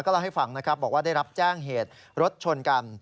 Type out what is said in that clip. เล่าให้ฟังนะครับบอกว่าได้รับแจ้งเหตุรถชนกัน